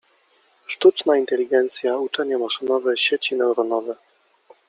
Sztuczna inteligencja, uczenie maszynowe, sieci neuronowe.